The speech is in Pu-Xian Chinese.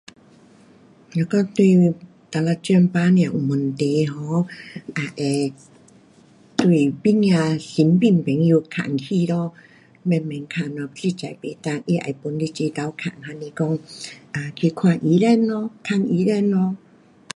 如果你哪一种病痛有问题 ho 也会对旁边手身边朋友问起咯。慢慢问咯，实在不能他也会帮你一起问还是说 um 去看医生咯。问医生咯。